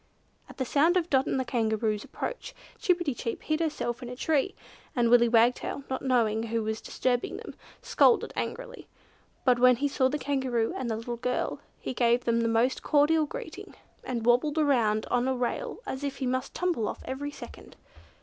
At the sound of Dot and the Kangaroo's approach Chip pi ti chip hid herself in a tree, and Willy Wagtail, not knowing who was disturbing them, scolded angrily; but when he saw the Kangaroo and the little girl, he gave them the most cordial greeting, and wobbled about on a rail as if he must tumble off every second.